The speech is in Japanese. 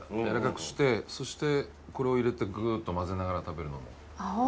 やらかくしてそしてこれを入れてグーッと混ぜながら食べるのも。